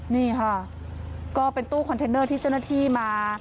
นี่ค่ะก็เป็นตู้คอนเทนเนอร์ที่เจ้าหน้าที่มา